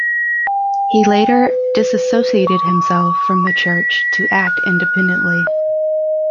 He later disassociated himself from the church to act independently.